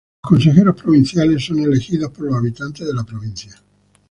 Los consejeros provinciales son elegidos por los habitantes de la provincia.